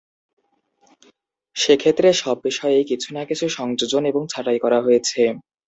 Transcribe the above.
সেক্ষেত্রে সব বিষয়েই কিছু-না-কিছু সংযোজন এবং ছাঁটাই করা হয়েছে।